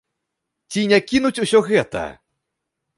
Ці не кінуць усё гэта?